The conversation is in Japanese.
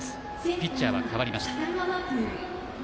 ピッチャーは代わりました。